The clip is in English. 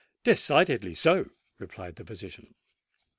"Decidedly so," replied the physician.